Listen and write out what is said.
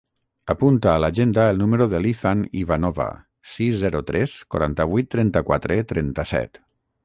Apunta a l'agenda el número de l'Ethan Ivanova: sis, zero, tres, quaranta-vuit, trenta-quatre, trenta-set.